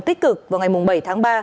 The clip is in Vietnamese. tích cực vào ngày bảy tháng ba